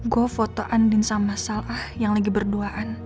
gue foto andin sama salah yang lagi berduaan